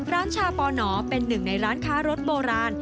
ชาปอหนอเป็นหนึ่งในร้านค้ารถโบราณ